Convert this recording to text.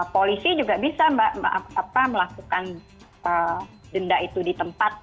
polisi juga bisa mbak melakukan denda itu di tempat